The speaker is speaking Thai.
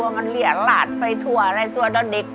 รายการต่อไปนี้เป็นรายการทั่วไปสามารถรับชมได้ทุกวัย